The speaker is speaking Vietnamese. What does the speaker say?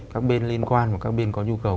các bên liên quan và các bên có nhu cầu